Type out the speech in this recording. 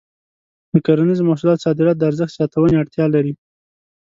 د کرنیزو محصولاتو صادرات د ارزښت زیاتونې اړتیا لري.